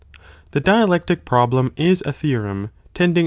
Tue dialectic problem is a theorem* tending